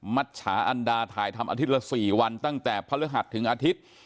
มัชชาอันดาถ่ายทำอาทิตย์ละ๔วันตั้งแต่พฤหัสถึงอาทิตย์